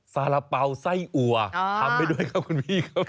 สาระเป๋าไส้อัวทำไปด้วยครับคุณพี่ครับ